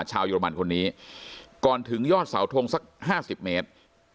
ชาวยุโรมันคนนี้ก่อนถึงยอดเสาทงสักห้าสิบเมตร